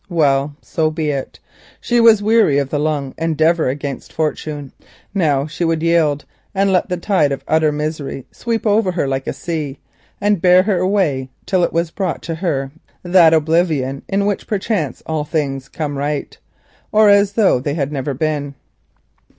Well, so be it. She was weary of the long endeavour against fortune, now she would yield and let the tide of utter misery sweep over her like a sea—to bear her away till at last it brought her to that oblivion in which perchance all things come right or are as though they had never been.